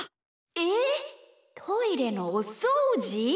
えっトイレのおそうじ！？